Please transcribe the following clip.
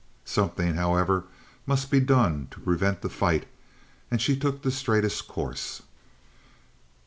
Something, however, must be done to prevent the fight, and she took the straightest course.